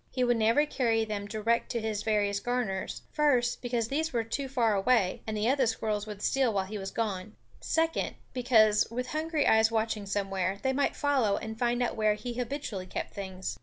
He would never carry them direct to his various garners; first, because these were too far away, and the other squirrels would steal while he was gone; second, because, with hungry eyes watching somewhere, they might follow and find out where he habitually kept things.